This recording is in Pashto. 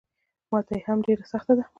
ماته هم ډېره سخته ده.